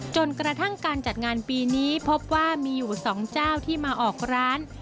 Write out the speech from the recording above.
จนกระทั่งการจัดงานปีนี้พบว่ามีอยู่๒เจ้าที่มาออกร้าน